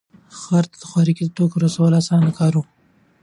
ښار ته د خوراکي توکو رسول اسانه کار و.